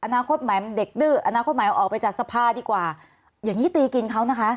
อนาคตใหม่เด็กดื้ออนาคตใหม่ออกไปจากสภาดีกว่าอย่างนี้ตีกินเขานะคะ